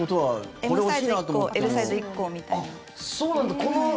Ｍサイズ１個Ｌサイズ１個みたいな。